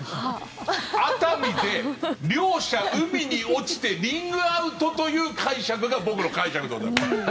熱海で両者海に落ちてリングアウトという解釈が僕の解釈でございます。